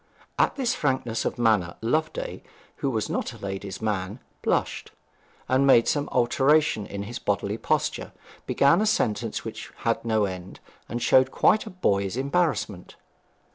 At this frankness of manner Loveday who was not a ladies' man blushed, and made some alteration in his bodily posture, began a sentence which had no end, and showed quite a boy's embarrassment.